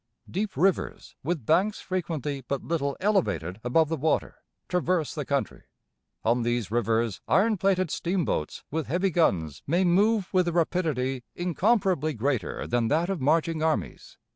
Deep rivers, with banks frequently but little elevated above the water, traverse the country. On these rivers iron plated steamboats with heavy guns may move with a rapidity incomparably greater than that of marching armies.